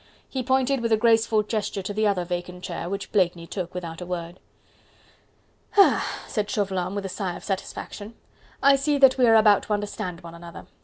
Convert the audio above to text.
He pointed with a graceful gesture to the other vacant chair, which Blakeney took without a word. "Ah!" said Chauvelin with a sigh of satisfaction, "I see that we are about to understand one another....